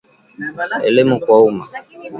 Elimu kwa umma